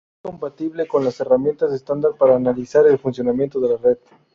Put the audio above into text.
Es compatible con las herramientas estándar para analizar el funcionamiento de la red.